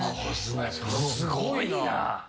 すごいな。